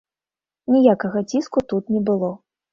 Ніякага ціску тут не было.